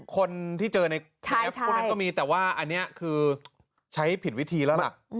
คนที่เจ้าไอ้แปลกแอปพวกนั้นก็มีแต่ว่าอันนี้ก็ว่าใช้ผิดวิธีแล้วแหละ